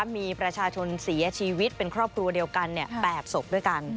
มีประชาชนเสียชีวิตเป็นครอบครัวเดียวกัน๘ศพด้วยกัน